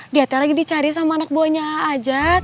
dia teh lagi dicari sama anak buahnya ajat